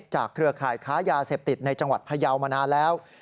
เครือข่ายค้ายาเสพติดในจังหวัดพยาวมานานแล้ว